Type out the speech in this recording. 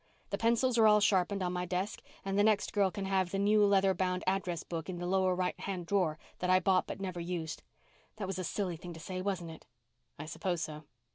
The pencils are all sharpened on my desk and the next girl can have the new leather bound address book in the lower right hand drawer that I bought but never used! That was a silly thing to say, wasn't it?" "I suppose so."